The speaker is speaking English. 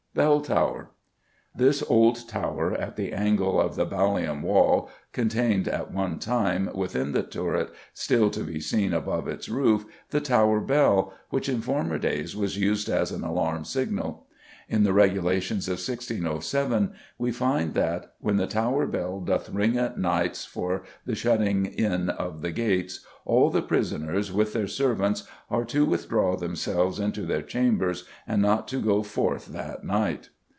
Bell Tower. This old Tower, at the angle of the Ballium Wall, contained at one time, within the turret still to be seen above its roof, the Tower bell, which in former days was used as an alarm signal. In the regulations of 1607 we find that "when the Tower bell doth ring at nights for the shutting in of the gates, all the prisoners, with their servants, are to withdraw themselves into their chambers, and not to goe forth that night."